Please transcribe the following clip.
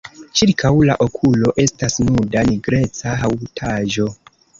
Ĉirkaŭ la okulo estas nuda nigreca haŭtaĵo.